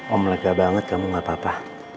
om lega banget kamu gak apa apa